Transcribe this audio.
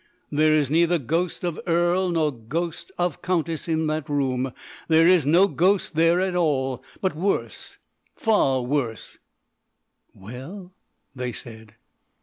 "There is neither ghost of earl nor ghost of countess in that room, there is no ghost there at all; but worse, far worse" "Well?" they said.